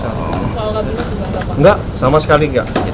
soal kebenaran bapak enggak sama sekali enggak